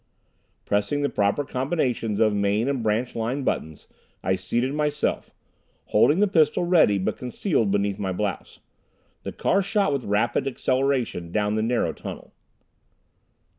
Pressing the proper combinations of main and branch line buttons, I seated myself, holding the pistol ready but concealed beneath my blouse. The car shot with rapid acceleration down the narrow tunnel.